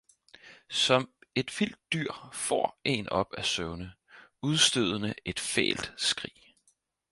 Som et vildt dyr fór en op af søvne, udstødende et fælt skrig.